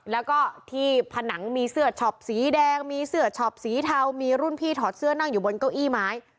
แล้วก็ที่ผนังมีเสื้อช็อปสีแดงมีเสื้อช็อปสีเทามีรุ่นพี่ถอดเสื้อนั่งอยู่บนเก้าอี้ไม้